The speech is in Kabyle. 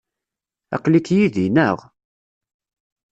Aql-ik yid-i, naɣ?